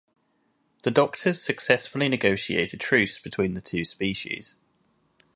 The Doctors successfully negotiate a truce between the two species.